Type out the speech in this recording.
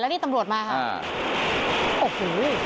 แล้วนี่ตำรวจมาครับ